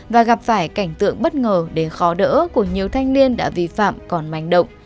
và gặp phải cảnh tượng bất ngờ để khó đỡ của nhiều thanh niên đã vi phạm còn manh động